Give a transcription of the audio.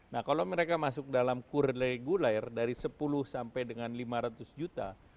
nah kalau mereka masuk dalam kur reguler dari sepuluh sampai dengan lima ratus juta